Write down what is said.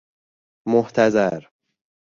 محتضر